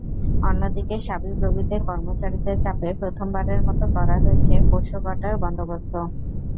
অন্যদিকে শাবিপ্রবিতে কর্মচারীদের চাপে প্রথমবারের মতো করা হয়েছে পোষ্য কোটার বন্দোবস্ত।